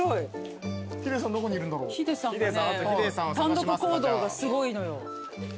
単独行動がすごいのよ。